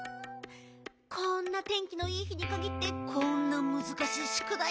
こんな天気のいい日にかぎってこんなむずかしいしゅくだい。